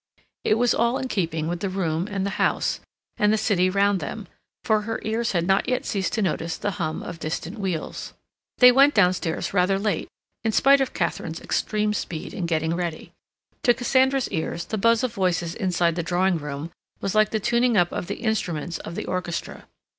It was all in keeping with the room and the house, and the city round them; for her ears had not yet ceased to notice the hum of distant wheels. They went downstairs rather late, in spite of Katharine's extreme speed in getting ready. To Cassandra's ears the buzz of voices inside the drawing room was like the tuning up of the instruments of the orchestra.